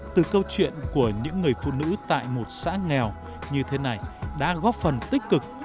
từ câu chuyện của những người phụ nữ tại một xã nghèo như thế này đã góp phần tích cực